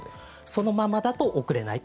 そのままだと送れない。